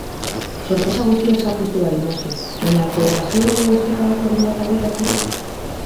Sorpresa guztiak zapuztu barik, noski, baina kolaborazio edo ustekabekoren bat aurreratzerik?